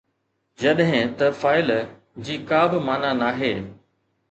جڏهن ته فعل جي ڪا به معنيٰ ناهي.